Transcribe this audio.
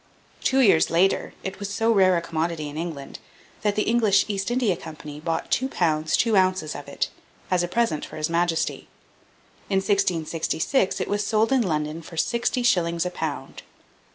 Two years later it was so rare a commodity in England, that the English East India Company bought 2 lbs. 2 oz. of it, as a present for his majesty. In 1666 it was sold in London for sixty shillings a pound.